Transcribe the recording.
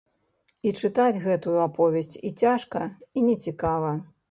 І чытаць гэтую аповесць і цяжка, і нецікава.